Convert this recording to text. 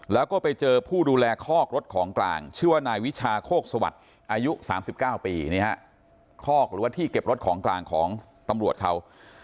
แล้วก็ไปเจอผู้ดูแลคอกรถของกลางชื่อว่านายวิชาโคกสวัสดิ์อายุ๓๙ปีคอกหรือว่าที่เก็บรถของกลางของตำรวจเขา